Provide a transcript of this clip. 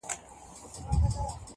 • زلمی چي تللی وم بوډا راځمه -